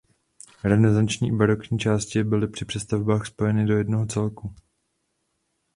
Renesanční i barokní části byly při přestavbách spojeny do jednoho celku.